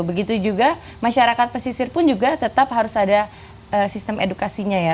begitu juga masyarakat pesisir pun juga tetap harus ada sistem edukasinya ya